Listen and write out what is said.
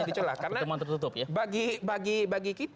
pencolokannya tretoknya bagi bagi bagi